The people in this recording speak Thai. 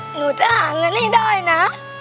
หนูจะหาเงินให้ได้นะ